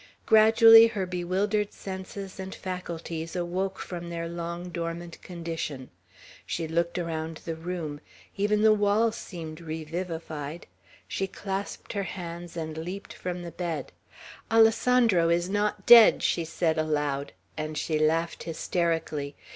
Gradually her bewildered senses and faculties awoke from their long dormant condition; she looked around the room; even the walls seemed revivified; she clasped her hands, and leaped from the bed. "Alessandro is not dead!" she said aloud; and she laughed hysterically.